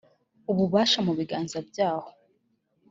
ububasha mu biganza byabo